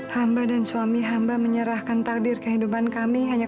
sampai jumpa di video selanjutnya